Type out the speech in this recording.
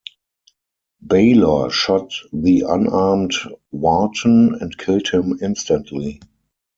Baylor shot the unarmed Wharton and killed him instantly.